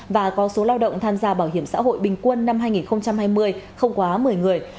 và có số lao động tham gia bảo hiểm xã hội bình quân năm hai nghìn hai mươi không quá một mươi người